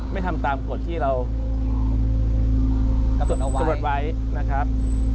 ไม่ทำตามกฎที่เรากระบวดไว้นะครับ